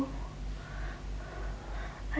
takut sekali bu